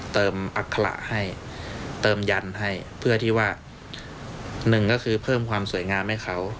อัคระให้เติมยันให้เพื่อที่ว่าหนึ่งก็คือเพิ่มความสวยงามให้เขา